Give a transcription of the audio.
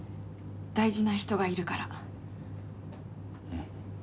大事な人がいるから。